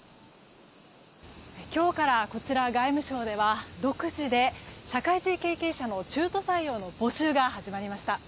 今日からこちら、外務省では独自で社会人経験者の中途採用の募集が始まりました。